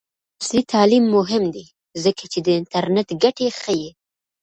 عصري تعلیم مهم دی ځکه چې د انټرنټ ګټې ښيي.